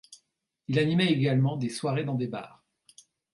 Il animait également des soirées dans des bars.